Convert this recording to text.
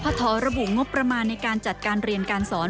ทระบุงบประมาณในการจัดการเรียนการสอน